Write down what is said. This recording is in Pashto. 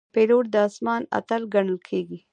پیلوټ د آسمان اتل ګڼل کېږي.